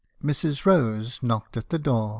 "Mrs. Rose knocked at the door.